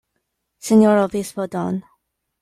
Sr. Obispo Dn.